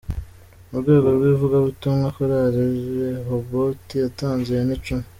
Mu rwego rw’ivugabutumwa Korali Rehoboti yatanze ihene Icumi